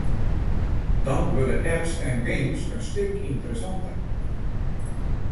Dan wurde apps en games in stik ynteressanter.